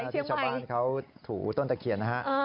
ที่ชาวบ้านเขาถูต้นตะเคียนนะฮะ